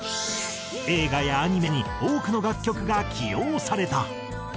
映画やアニメに多くの楽曲が起用された。